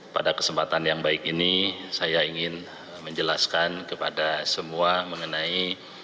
pada kesempatan yang baik ini saya ingin menjelaskan kepada semua mengenai